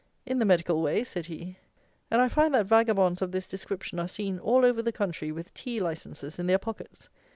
"In the medical way," said he. And I find that vagabonds of this description are seen all over the country with tea licences in their pockets.